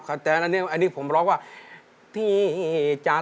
คือเป็นพี่เจ้า